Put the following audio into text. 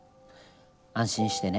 安心してね。